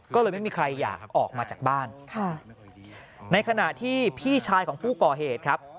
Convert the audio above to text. ก็เลยไม่มีใครอยากออกมาจากบ้านในขณะที่พี่ชายของผู้ก่อเหตุครับ